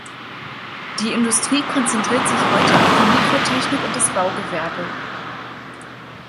Die Industrie konzentriert sich heute auf die Mikrotechnik und das Baugewerbe.